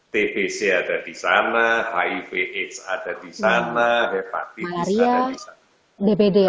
tbc ada di sana hiv aids ada di sana hepatitis ada di sana